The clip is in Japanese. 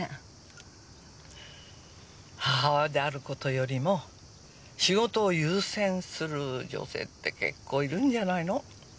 母親である事よりも仕事を優先する女性って結構いるんじゃないの？